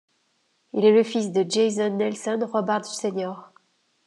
Il est fils de Jason Nelson Robards Sr.